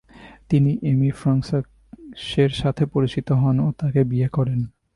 তিনি এমি ফ্রাৎসের সাথে পরিচিত হন ও তাকে বিয়ে করেন।